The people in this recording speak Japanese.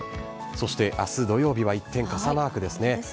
そして、明日土曜日は一転、傘マークですね。